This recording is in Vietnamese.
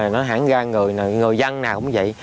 nó hãng ra người người dân nào cũng vậy